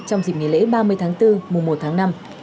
trong dịp nghỉ lễ ba mươi tháng bốn mùa một tháng năm